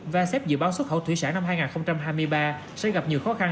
vaseb dự báo xuất khẩu thủy sản năm hai nghìn hai mươi ba sẽ gặp nhiều khó khăn